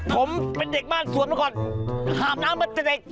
ผมเป็นเด็กบ้านสวนมาก่อนอาบน้ำมาแต่เด็ก